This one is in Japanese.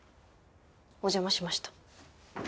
お邪魔しました。